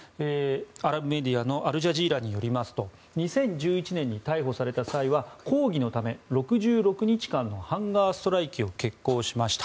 アラブメディアのアルジャジーラによりますと２０１１年に逮捕された際は抗議のため、６６日間のハンガーストライキを決行しました。